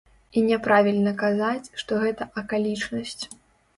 І няправільна казаць, што гэта акалічнасць.